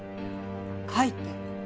書いて。